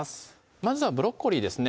まずはブロッコリーですね